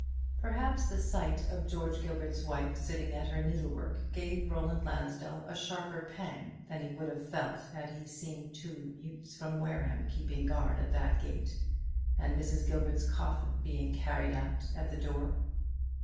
Perhaps the sight of George Gilbert's wife sitting at her needlework gave Roland Lansdell a sharper pang than he would have felt had he seen two mutes from Wareham keeping guard at the gate, and Mrs. Gilbert's coffin being carried out at the door.